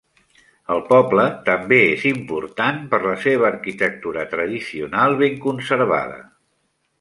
El poble també és important per la seva arquitectura tradicional ben conservada.